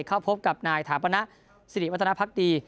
เข้าพบกับนายถาปณะสิริวัฒนภักดี